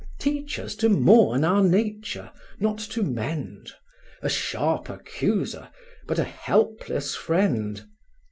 Teach us to mourn our nature, not to mend, A sharp accuser, but a helpless friend!